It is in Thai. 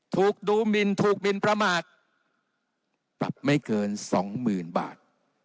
ถูกดูมินถูกมินประมาทปรับไม่เกินสองหมื่นบาท